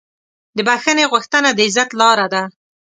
د بښنې غوښتنه د عزت لاره ده.